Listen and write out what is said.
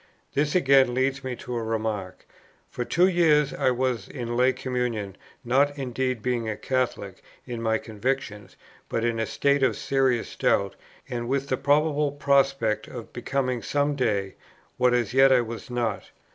This again leads me to a remark: for two years I was in lay communion, not indeed being a Catholic in my convictions, but in a state of serious doubt, and with the probable prospect of becoming some day, what as yet I was not.